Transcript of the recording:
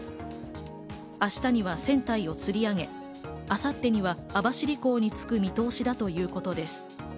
明日には船体を釣り上げ、明後日には網走港に着く見通しだということです。